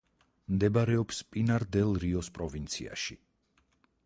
მდებარეობს პინარ-დელ-რიოს პროვინციაში.